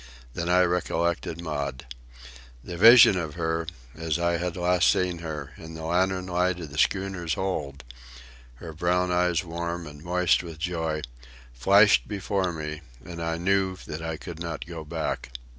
Then I recollected Maud. The vision of her, as I had last seen her, in the lantern light of the schooner's hold, her brown eyes warm and moist with joy, flashed before me, and I knew that I could not go back.